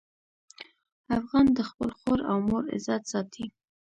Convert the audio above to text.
افغان د خپل خور او مور عزت ساتي.